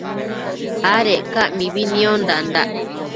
Adec ca mibi niondandac